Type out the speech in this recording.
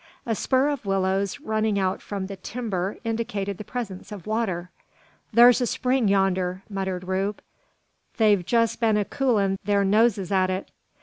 A spur of willows running out from the timber indicated the presence of water. "Thur's a spring yander," muttered Rube. "They've jest been a coolin' their noses at it."